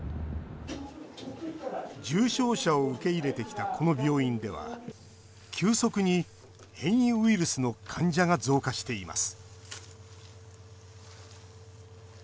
重症者を受け入れてきたこの病院では急速に変異ウイルスの患者が増加しています